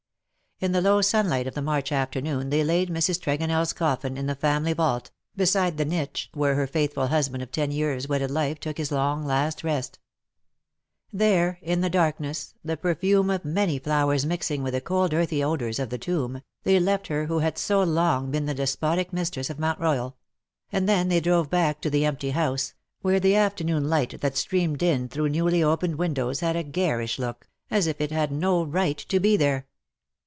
In the low sunlight of the March afternoon they laid Mrs. TregonelFs coffin in the family vault, beside the niche where her faithful hr.sband of ten years^ wedded life took his last long rest. There, in the darkness, the perfume of many flowers mixing with the cold earthy odours of the tomb, they left her who had so long been the despotic mistress of Mount Hoyal ; and then they drove back to the empty house, where the afternoon light that streamed in through newly opened windows had a garish look, as if it had no right to be there.